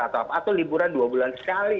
atau liburan dua bulan sekali